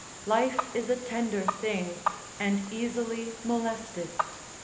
Life is a tender thing, and easily molested.